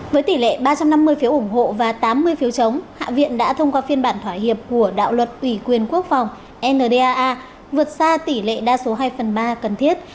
với tỷ lệ ba trăm năm mươi phiếu ủng hộ và tám mươi phiếu chống hạ viện đã thông qua phiên bản thỏa hiệp của đạo luật ủy quyền quốc phòng ndaa vượt xa tỷ lệ đa số hai phần ba cần thiết